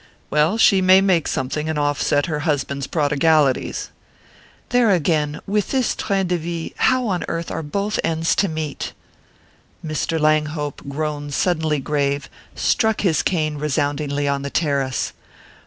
"Well, she may make something, and offset her husband's prodigalities." "There again with this train de vie, how on earth are both ends to meet?" Mr. Langhope grown suddenly grave, struck his cane resoundingly on the terrace.